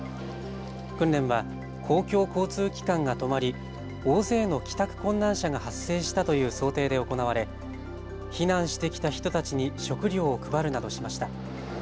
訓練は公共交通機関が止まり大勢の帰宅困難者が発生したという想定で行われ避難してきた人たちに食料を配るなどしました。